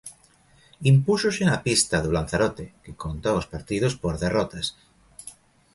Impúxose na pista do Lanzarote, que conta os partidos por derrotas.